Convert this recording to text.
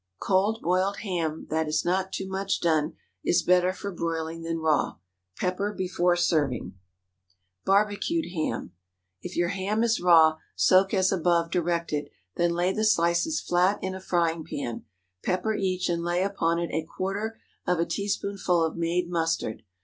Cold boiled ham, that is not too much done, is better for broiling than raw. Pepper before serving. BARBECUED HAM. ✠ If your ham is raw, soak as above directed; then lay the slices flat in a frying pan; pepper each and lay upon it a quarter of a teaspoonful of made mustard.